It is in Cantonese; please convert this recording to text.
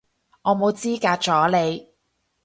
我冇資格阻你